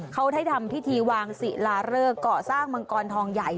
เขาได้ทำพิธีวางศิลาเริกเกาะสร้างมังกรทองใหญ่